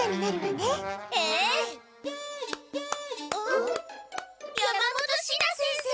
・ん？山本シナ先生！